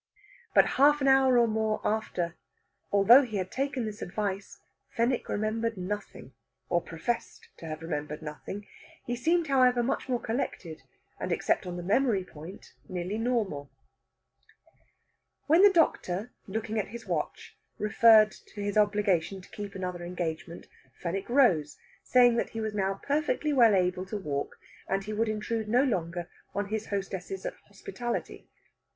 But half an hour or more after, although he had taken this advice, Fenwick remembered nothing, or professed to have remembered nothing. He seemed, however, much more collected, and except on the memory point nearly normal. When the doctor, looking at his watch, referred to his obligation to keep another engagement, Fenwick rose, saying that he was now perfectly well able to walk, and he would intrude no longer on his hostesses' hospitality.